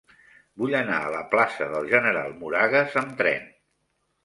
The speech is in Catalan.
Vull anar a la plaça del General Moragues amb tren.